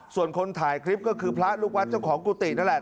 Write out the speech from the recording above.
ส่วนคนถ่ายคลิปก็คือพระลูกวัดเจ้าของกุฏินั่นแหละ